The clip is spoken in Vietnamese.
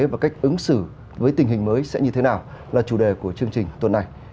và cách ứng xử với tình hình mới sẽ như thế nào là chủ đề của chương trình tuần này